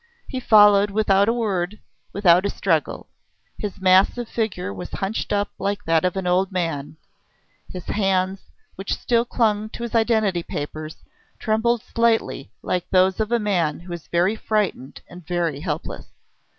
He followed without a word, without a struggle. His massive figure was hunched up like that of an old man; his hands, which still clung to his identity papers, trembled slightly like those of a man who is very frightened and very helpless.